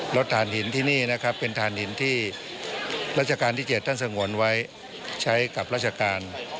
ฐานหินที่นี่นะครับเป็นฐานหินที่รัชกาลที่๗ท่านสงวนไว้ใช้กับราชการ